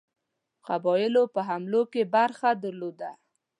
قبایلو په حملو کې برخه درلوده.